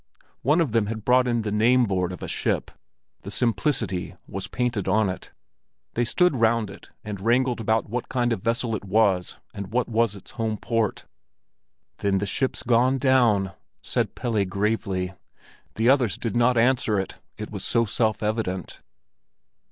One of them had brought in the name board of a ship. The Simplicity was painted on it. They stood round it and wrangled about what kind of vessel it was and what was its home port. "Then the ship's gone down," said Pelle gravely. The others did not answer; it was so self evident.